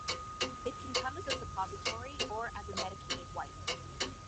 It can come as a suppository, or as a medicated wipe.